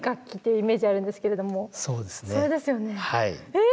え！